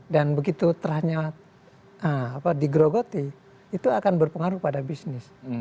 dan begitu trustnya digerogoti itu akan berpengaruh pada bisnis